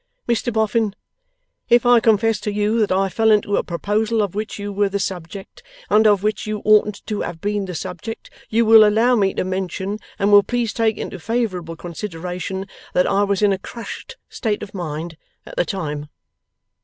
'Mr Boffin, if I confess to you that I fell into a proposal of which you were the subject, and of which you oughtn't to have been the subject, you will allow me to mention, and will please take into favourable consideration, that I was in a crushed state of mind at the time.